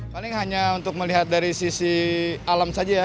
paling hanya untuk melihat dari sisi alam saja ya